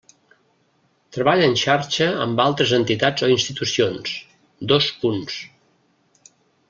Treballa en xarxa amb altres entitats o institucions: dos punts.